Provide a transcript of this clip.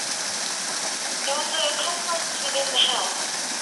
There was an accomplice within the house.